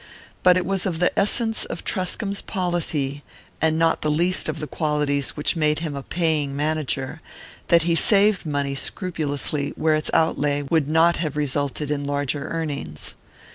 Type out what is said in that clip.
But it was of the essence of Truscomb's policy and not the least of the qualities which made him a "paying" manager that he saved money scrupulously where its outlay would not have resulted in larger earnings.